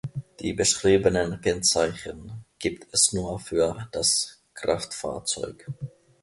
Die beschriebenen Kennzeichen gibt es nur für das Kraftfahrzeug.